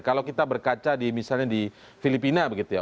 kalau kita berkaca di misalnya di filipina begitu ya